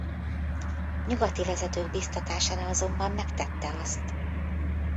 Nyugati vezetők biztatására azonban megtette azt.